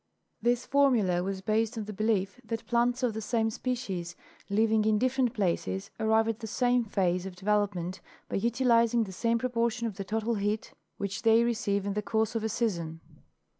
This formula was based on the belief that plants of the same species living in different places arrive at the same phase of development by utilizing the same proportion of the total heat which they receive in the course of a season.